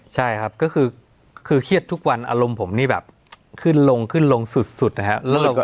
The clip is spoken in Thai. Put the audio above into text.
ใช่ครับก็คือเครียดทุกวันอารมณ์ผมนี่แบบขึ้นลงขึ้นลงสุดนะครับ